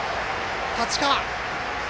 太刀川！